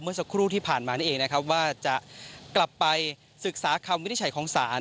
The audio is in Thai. เมื่อสักครู่ที่ผ่านมานี่เองว่าจะกลับไปศึกษาคำวิทย์ไฉของศาล